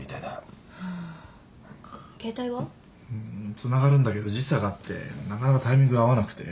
つながるんだけど時差があってなかなかタイミング合わなくて。